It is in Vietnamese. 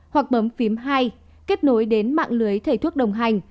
hoặc bấm phím hai kết nối đến mạng lưới thầy thuốc đồng hành